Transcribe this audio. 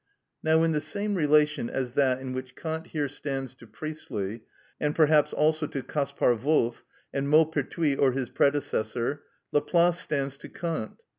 Now in the same relation as that in which Kant here stands to Priestley, and perhaps also to Kaspar Wolff, and Maupertuis or his predecessor, Laplace stands to Kant.